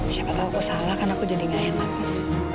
siapa tau aku salah kan aku jadi gak enak